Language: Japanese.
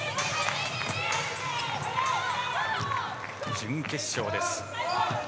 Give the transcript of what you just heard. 準決勝です。